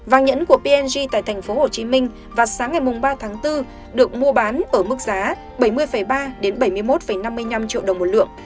vàng nhẫn của png tại tp hcm vào sáng ngày ba tháng bốn được mua bán ở mức giá bảy mươi ba bảy mươi một năm mươi năm triệu đồng một lượng